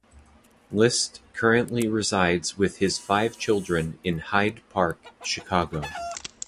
List currently resides with his five children in Hyde Park, Chicago.